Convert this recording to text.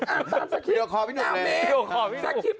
อ๋ออ่านสคริปต์หมด